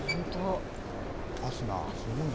ファスナー、すごいな。